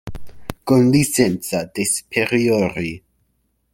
Con licenza de' Superiori.